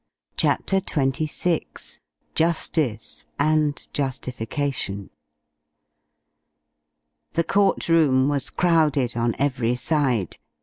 CHAPTER XXVI JUSTICE AND JUSTIFICATION The court room was crowded on every side.